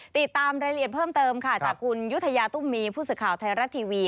ติดตามรายละเอียดเพิ่มเติมค่ะจากคุณยุธยาตุ้มมีผู้สื่อข่าวไทยรัฐทีวี